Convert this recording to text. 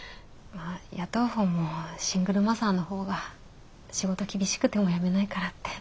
雇う方もシングルマザーの方が仕事厳しくても辞めないからって。